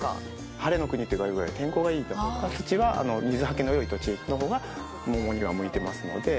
晴れの国と呼ばれるぐらい天候がいいのと土は、水はけのよい土地のほうが桃には向いてますので。